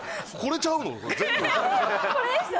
これでした？